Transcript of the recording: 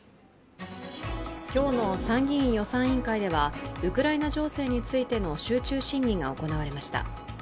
今日の参議院予算委員会ではウクライナ情勢についての集中審議が行われました。